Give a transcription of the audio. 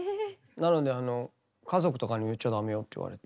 なのであの家族とかにも言っちゃ駄目よって言われて。